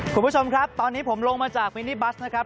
คุณผู้ชมครับตอนนี้ผมลงมาจากมินิบัสนะครับ